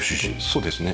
そうですね。